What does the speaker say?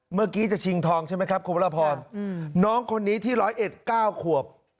เมื่อกี้จะชิงทองใช่ไหมครับคุณพระอภรน้องคนนี้ที่๑๐๑ก้าวขวบ